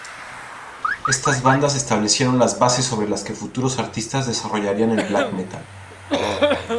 Estas bandas establecieron las bases sobre las que futuros artistas desarrollarían el black metal.